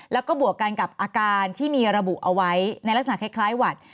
แล้วก็บวกกันกับอาการที่มีระบุเอาไว้ในลักษณะคล้ายหวัด